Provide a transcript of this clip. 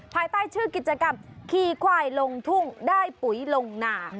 ภายใต้ชื่อกิจกรรมขี่ควายลงทุ่งได้ปุ๋ยลงนา